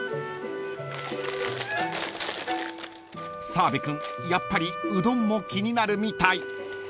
［澤部君やっぱりうどんも気になるみたい］